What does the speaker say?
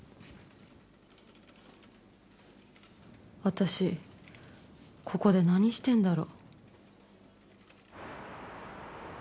私、ここで何してんだろ。